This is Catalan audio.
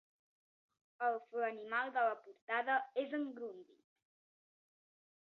El Flanimal de la portada és en Grundit.